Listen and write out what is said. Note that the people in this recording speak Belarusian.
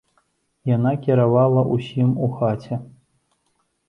Яна кіравала ўсім у хаце.